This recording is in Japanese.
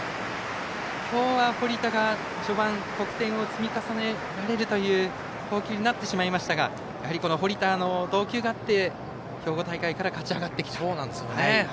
今日は堀田が序盤得点を積み重ねられるという投球になってしまいましたがやはり堀田の投球があって兵庫大会から勝ち上がってきた。